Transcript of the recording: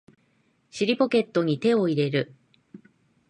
尻ポケットに手を入れる